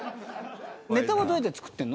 ネタはどうやって作ってるの？